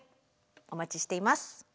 お待ちしています。